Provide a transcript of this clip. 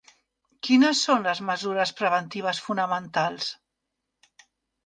Quines són les mesures preventives fonamentals?